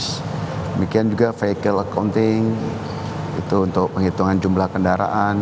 demikian juga vehicle accounting itu untuk penghitungan jumlah kendaraan